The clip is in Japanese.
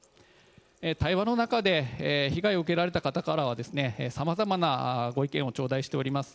対話の中で、被害を受けられた方からはさまざまなご意見を頂戴しております。